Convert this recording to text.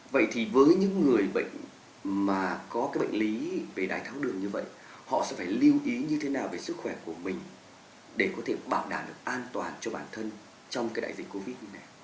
vậy thì với những người bệnh mà có cái bệnh lý về đái tháo đường như vậy họ sẽ phải lưu ý như thế nào về sức khỏe của mình để có thể bảo đảm được an toàn cho bản thân trong cái đại dịch covid như này